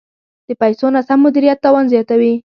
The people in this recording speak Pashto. د پیسو ناسم مدیریت تاوان زیاتوي.